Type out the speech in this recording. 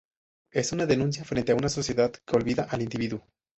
Es una denuncia frente a una sociedad que olvida al individuo.